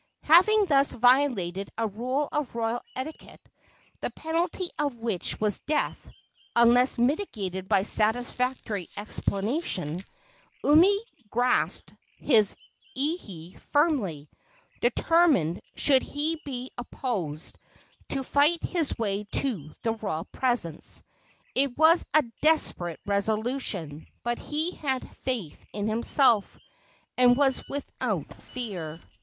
Having thus violated a rule of royal etiquette, the penalty of which was death, unless mitigated by satisfactory explanation, Umi grasped his ihe firmly, determined, should he be opposed, to fight his way to the royal presence. It was a desperate resolution, but he had faith in himself, and was without fear.